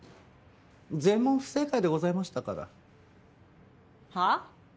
全問不正解でございましたから。はあ？